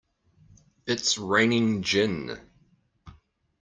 It's raining gin!